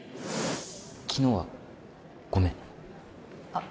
昨日はごめんあっ